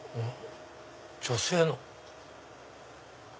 女性なの？